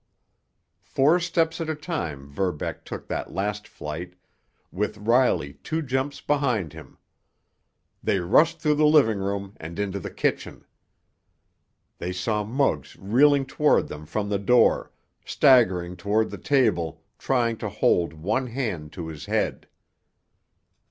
Four steps at a time Verbeck took that last flight, with Riley two jumps behind him. They rushed through the living room and into the kitchen. They saw Muggs reeling toward them from the door, staggering toward the table, trying to hold one hand to his head.